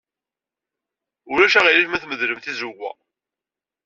Ulac aɣilif ma tmedlem tizewwa?